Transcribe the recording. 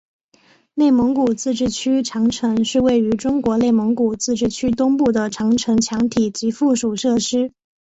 内蒙古自治区长城是位于中国内蒙古自治区东部的长城墙体及附属设施。